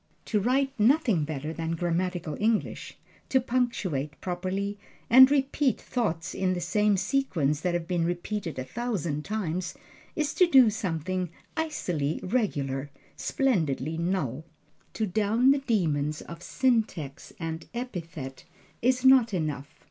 To write nothing better than grammatical English, to punctuate properly, and repeat thoughts in the same sequence that have been repeated a thousand times, is to do something icily regular, splendidly null. To down the demons of syntax and epithet is not enough.